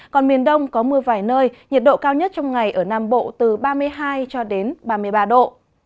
còn miền đông có mưa vài nơi nhiệt độ cao nhất trong ngày ở nam bộ từ ba mươi hai cho đến ba mươi ba độ